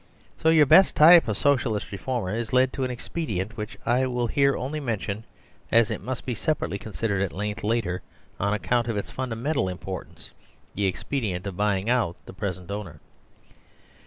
So your best type of Socialist reformer is led to an expedient which I will here only mention as it must be separately con sidered at length later on account of its fundamental importance the expedient of " buying out" the pre sent owner.